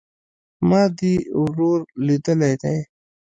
ما دي ورور ليدلى دئ